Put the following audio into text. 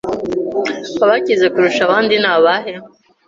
abakize kurusha abandi nabahe